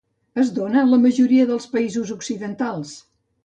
Es dóna a la majoria dels països occidentals.